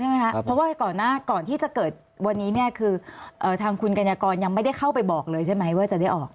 เพราะว่าก่อนหน้าก่อนที่จะเกิดวันนี้เนี่ยคือทางคุณกัญญากรยังไม่ได้เข้าไปบอกเลยใช่ไหมว่าจะได้ออก